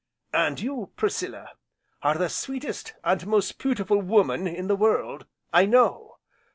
"And you, Priscilla, are the sweetest, and most beautiful woman in the world, I _know!